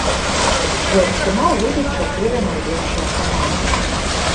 У чвэрцьфінал выйдуць чатыры найлепшыя каманды.